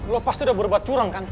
lo pasti udah berbuat curang kan